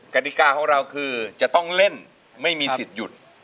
กฎิกาของเราคือจะต้องเล่นไม่มีสิทธิ์หยุด